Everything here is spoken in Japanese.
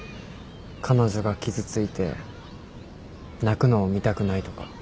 彼女が傷ついて泣くのを見たくないとか。